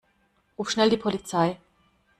Ruf schnell die Polizei!